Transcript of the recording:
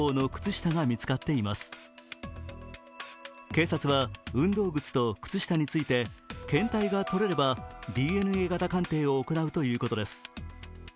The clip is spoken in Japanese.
警察は運動靴と靴下について検体が取れればＤＮＡ型鑑定を行うということです。